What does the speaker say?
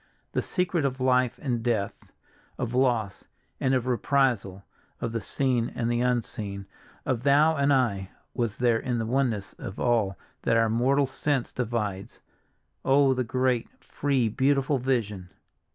The secret of life and death, of loss and reprisal, of the seen and the unseen, of thou and I, was there in the oneness of all that our mortal sense divides. Oh, the great, free, beautiful vision!